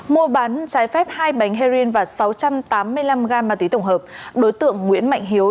mua bán trái phép hai bánh heroin và sáu trăm tám mươi năm gam ma túy tổng hợp đối tượng nguyễn mạnh hiếu